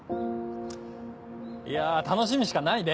いや楽しみしかないね！